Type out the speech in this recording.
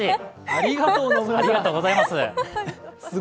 ありがとうございます。